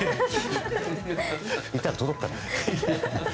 言ったら届くかな？